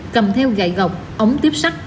cầm theo gậy gọc ống tiếp xác